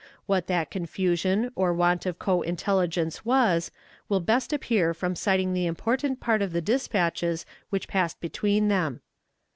What that confusion or want of co intelligence was, will best appear from citing the important part of the dispatches which passed between them.